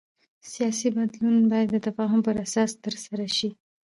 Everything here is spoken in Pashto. سیاسي بدلون باید د تفاهم پر اساس ترسره شي